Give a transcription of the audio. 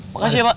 makasih ya pak